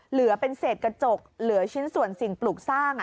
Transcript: เหลือเป็นเศษกระจกเหลือชิ้นส่วนสิ่งปลูกสร้าง